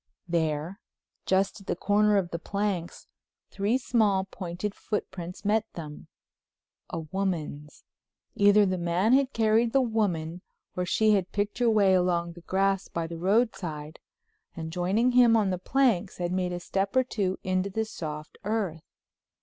There, just at the corner of the planks, three small, pointed footprints met them—a woman's. Either the man had carried the woman or she had picked her way along the grass by the roadside, and joining him on the planks had made a step or two into the soft earth.